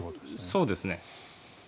そうですね。